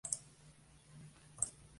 Sus padres son ambos blancos.